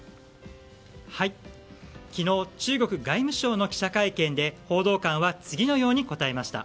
昨日、中国外務省の記者会見で報道官は、次のように答えました。